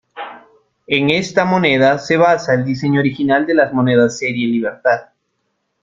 En esta moneda se basa el diseño original de las monedas serie Libertad.